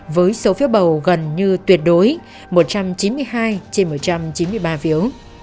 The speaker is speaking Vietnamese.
với số phiếu bầu gần như tuyệt đối một trăm chín mươi hai trên một trăm chín mươi ba phiếu